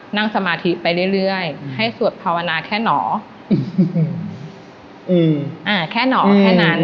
นั่งสมาธิไปเรื่อยเรื่อยให้สวดภาวนาแค่หนอแค่หนอแค่นั้น